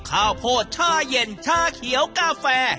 ข้าวโพดชาเย็นชาเขียวกาแฟ